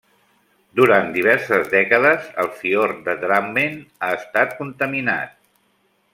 Durant diverses dècades el fiord de Drammen ha estat contaminat.